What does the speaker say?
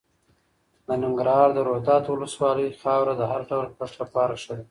د ننګرهار د روداتو ولسوالۍ خاوره د هر ډول کښت لپاره ښه ده.